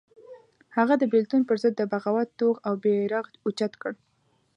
هغه د بېلتون پر ضد د بغاوت توغ او بېرغ اوچت کړ.